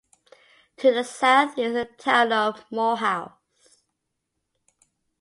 To the south is the Town of Morehouse.